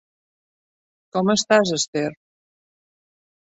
Com estàs, Esther?